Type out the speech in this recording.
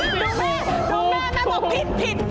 ดูแม่แม่บอกผิด